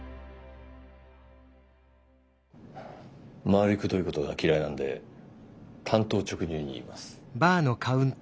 回りくどいことが嫌いなんで単刀直入に言います。